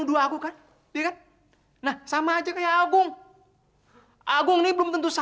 lo ngapain masih disini